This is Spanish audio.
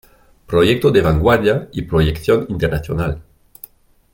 Proyecto de vanguardia y proyección internacional.